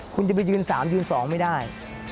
คุณจะไปยืน๓ยืน๒ไม่ได้